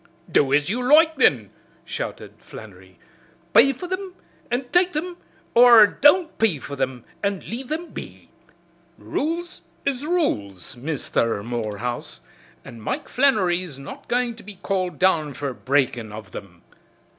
"Do as you loike, then!" shouted Flannery, "pay for thim an' take thim, or don't pay for thim and leave thim be. Rules is rules, Misther Morehouse, an' Mike Flannery's not goin' to be called down fer breakin' of thim."